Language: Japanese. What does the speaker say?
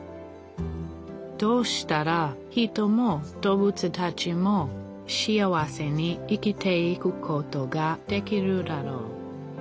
どうしたら人も動物たちも幸せに生きていくことができるだろう。